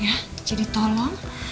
ya jadi tolong